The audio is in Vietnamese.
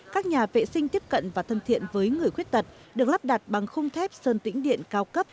các nhà vệ sinh tiếp cận và thân thiện với người khuyết tật được lắp đặt bằng khung thép sơn tĩnh điện cao cấp